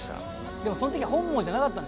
でもその時本望じゃなかったんでしょ？